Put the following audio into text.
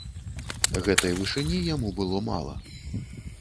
Гэтай вышыні яму было мала.